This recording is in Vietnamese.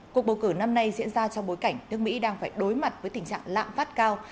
cuộc bầu cử năm nay diễn ra trong bối cảnh nước mỹ đang phải đối mặt với tình trạng lạm phát cao